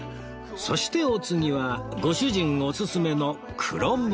そしてお次はご主人おすすめの黒むつ